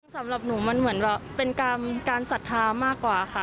สำหรับหนูมันเหมือนแบบเป็นการศรัทธามากกว่าค่ะ